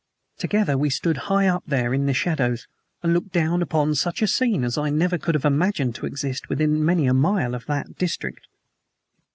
Together we stood high up there in the shadows, and looked down upon such a scene as I never could have imagined to exist within many a mile of that district.